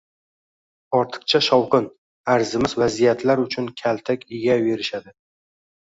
Ortiqcha shovqin, arzimas vaziyatlar uchun kaltak eyaverishadi